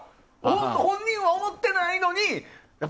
本人は思ってないのに。